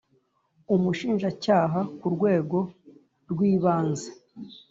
Umushinjacyaha ku rwego rw ibanze